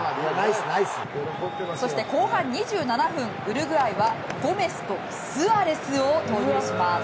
後半２７分、ウルグアイはゴメスとスアレスを投入します。